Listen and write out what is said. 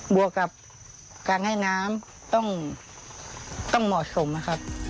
วกกับการให้น้ำต้องเหมาะสมนะครับ